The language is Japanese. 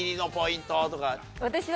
私は。